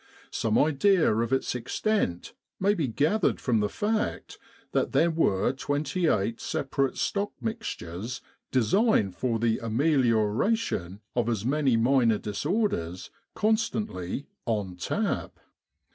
Some idea of its extent may be gathered from the fact that there were 28 separate stock mixtures, designed for the ameliora tion of as many minor disorders, constantly "on tap."